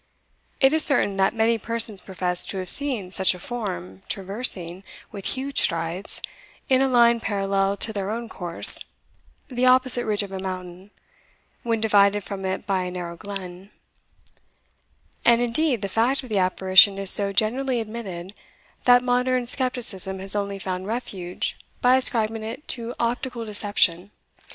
It is certain that many persons profess to have seen such a form traversing, with huge strides, in a line parallel to their own course, the opposite ridge of a mountain, when divided from it by a narrow glen; and indeed the fact of the apparition is so generally admitted, that modern scepticism has only found refuge by ascribing it to optical deception.